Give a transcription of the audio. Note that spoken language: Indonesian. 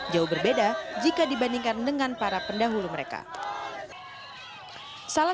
jauh berbeda jika dibandingkan dengan para pendahulu mereka